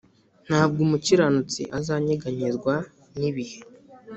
ntabwo umukiranutsi azanyeganyezwa ni ibihe